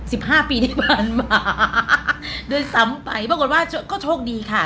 สิบห้าปีที่ผ่านมาด้วยซ้ำไปปรากฏว่าก็โชคดีค่ะ